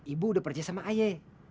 ibu udah percaya sama aye